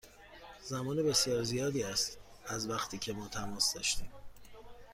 زمان بسیار زیادی است از وقتی که ما تماس داشتیم.